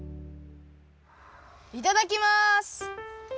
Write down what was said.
いただきます！